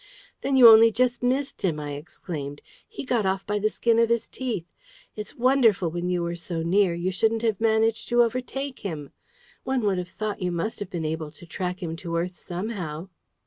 "Then you only just missed him!" I exclaimed. "He got off by the skin of his teeth. It's wonderful, when you were so near, you shouldn't have managed to overtake him! One would have thought you must have been able to track him to earth somehow!"